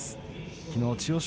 きのう千代翔